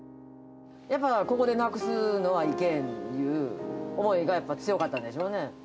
やっぱここでなくすのはいけんという思いがやっぱ強かったんでしょうね。